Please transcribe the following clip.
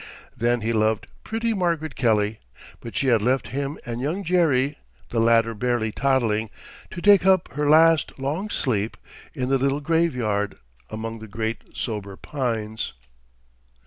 Then he loved pretty Margaret Kelly; but she had left him and Young Jerry, the latter barely toddling, to take up her last long sleep in the little graveyard among the great sober pines.